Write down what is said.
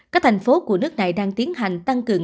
các thành phố của nước này đang tiến hành